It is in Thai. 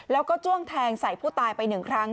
แล้วก็จ้วงแทงใส่ผู้ตายไปหนึ่งครั้ง